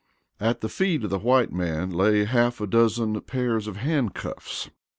At the feet of the white man lay half a dozen pairs of handcuffs.